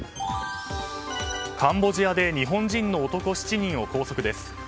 カンボジアで日本人の男７人を拘束です。